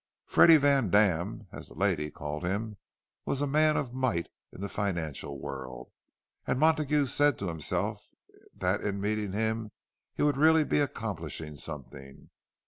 "Freddie" Vandam, as the lady called him, was a man of might in the financial world; and Montague said to himself that in meeting him he would really be accomplishing something.